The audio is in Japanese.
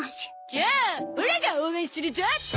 じゃあオラが応援するゾ！